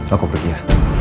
aku pergi ya